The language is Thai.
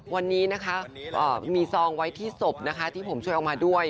วันนี้นะคะมีซองไว้ที่ศพนะคะที่ผมช่วยออกมาด้วย